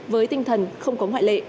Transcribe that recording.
với tinh thần không có ngoại lệ